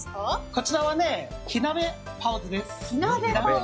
こちらは火鍋パオズです。